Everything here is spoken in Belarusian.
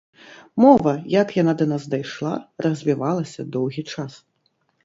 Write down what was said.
Мова, як яна да нас дайшла, развівалася доўгі час.